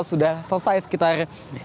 sudah selesai sekitar lima belas